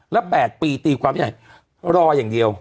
แล้ว๘ปีตีความยังไงรออย่างเดียว